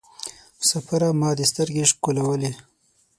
مسافره ما دي سترګي شکولولې